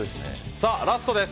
ラストです。